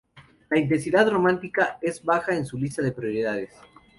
La intensidad romántica es baja en su lista de prioridades.